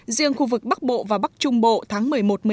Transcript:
riêng khu vực bắc bộ và bắc trung bộ tháng một mươi một một mươi hai